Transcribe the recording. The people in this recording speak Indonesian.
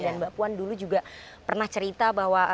dan mbak puan dulu juga pernah cerita bahwa